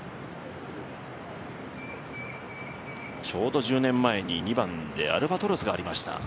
ちょうど１０年前に２番でアルバトロスがありました